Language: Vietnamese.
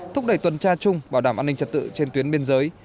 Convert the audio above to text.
thúc đẩy tuần tra chung bảo đảm an ninh trật tự trên tuyến biên giới